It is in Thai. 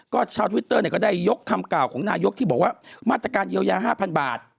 ก็ชาวทวิตเตอร์เนี่ยก็ได้ยกคำกล่าวของนายกที่บอกว่ามาตรการเยียวยา๕๐๐บาท